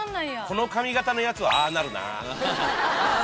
この髪形のやつはああなるな。